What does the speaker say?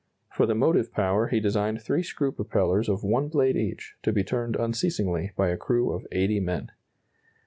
For the motive power he designed three screw propellers of one blade each, to be turned unceasingly by a crew of eighty men.